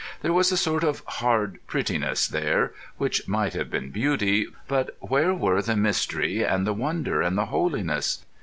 There was a sort of hard prettiness there, which might have been beauty, but where were the mystery and the wonder and the holiness?